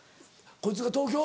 こいつが東京？